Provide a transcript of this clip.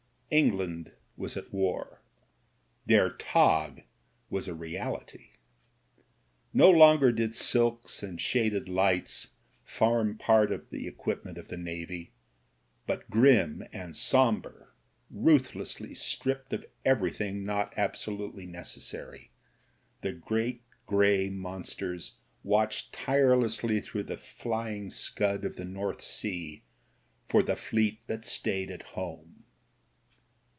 England was at war. Der Tag was a reality. No longer did silks and shaded lights form part of the equipment of the Navy, but grim and sombre, ruthlessly stripped of everything not absolutely necessary, the great grey monsters watched tirelessly through the flying scud of the North Sea for "the fleet that stayed at home."